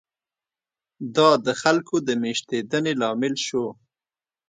دا د خلکو د مېشتېدنې لامل شو.